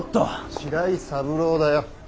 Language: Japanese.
白井三郎だよ。